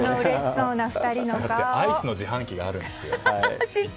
アイスの自販機があるんですよ。